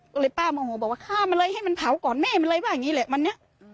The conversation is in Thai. ก็เลยป้าโมโหบอกว่าฆ่ามันเลยให้มันเผาก่อนแม่มันเลยว่าอย่างนี้แหละวันนี้